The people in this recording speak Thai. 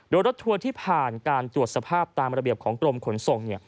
โดยรถทัวร์ที่ผ่านการตรวจสภาพตามระเบียบของกรมขนส่ง